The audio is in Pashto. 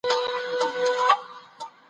هغوی ورته وويل: د شام اوسيدونکي يو.